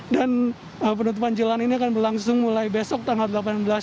dan penutupan jalan ini akan berlangsung mulai besok tanggal delapan belas